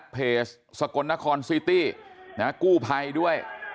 เพจสกลนครซีตี้นะฮะกู้ภัยด้วย